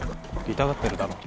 痛がってるだろ。